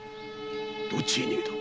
どっちへ逃げた！